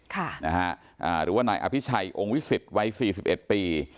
ค่ะนะฮะอ่าหรือว่านายอภิชัยองค์วิสิตไว้สี่สิบเอ็ดปี